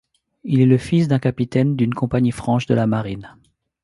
Il est le fils d'un capitaine d'une compagnie franche de la marine.